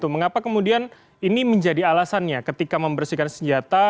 mengapa kemudian ini menjadi alasannya ketika membersihkan senjata